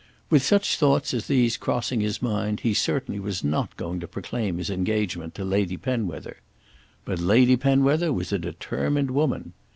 With such thoughts as these crossing his mind he certainly was not going to proclaim his engagement to Lady Penwether. But Lady Penwether was a determined woman.